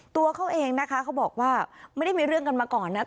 ตัวเขาเองนะคะเขาบอกว่าไม่ได้มีเรื่องกันมาก่อนนะ